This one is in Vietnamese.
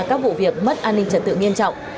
các vụ việc mất an ninh trật tự nghiêm trọng